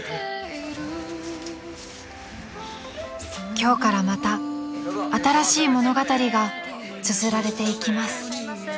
［今日からまた新しい物語がつづられていきます］